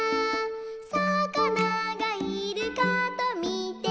「さかながいるかとみてました」